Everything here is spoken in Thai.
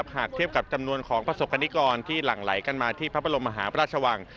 หากเทียบกับจำนวนของประสบกรณิกรที่หลั่งไหลกันมาที่พระบรมมหาพระราชวัง